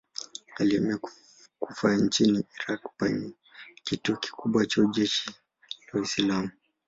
Alihamia Kufa nchini Irak penye kituo kikubwa cha jeshi la Uislamu.